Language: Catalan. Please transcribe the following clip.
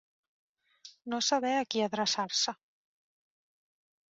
No saber a qui adreçar-se.